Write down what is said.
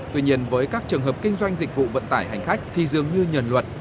tuy nhiên với các trường hợp kinh doanh dịch vụ vận tải hành khách thì dường như nhờn luật